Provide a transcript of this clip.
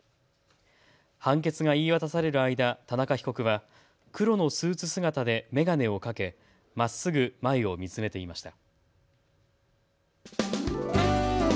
判決が言い渡される間、田中被告は黒のスーツ姿で眼鏡をかけ、まっすぐ前を見つめていました。